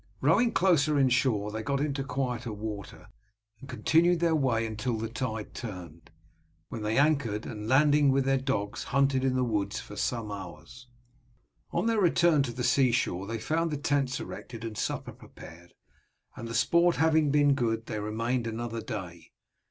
Rowing closer inshore they got into quieter water, and continued their way until tide turned, when they anchored, and landing with their dogs hunted in the woods for some hours. On their return to the sea shore they found the tents erected and supper prepared, and the sport having been good they remained another day.